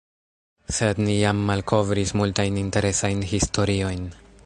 Sed ni jam malkovris multajn interesajn historiojn.